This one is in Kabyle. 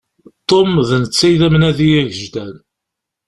Tom, d netta i d amnadi agejdan.